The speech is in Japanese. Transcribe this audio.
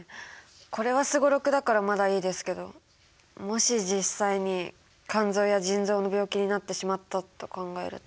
これはすごろくだからまだいいですけどもし実際に肝臓や腎臓の病気になってしまったと考えると。